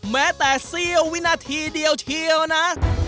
แม้แต่เสี้ยววินาทีเดียวเชียวนะ